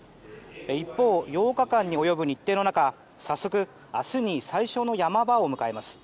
一方、８日間に及ぶ日程の中早速、明日に最初の山場を迎えます。